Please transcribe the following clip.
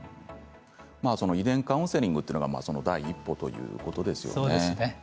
遺伝カウンセリングというのが第一歩ということですよね。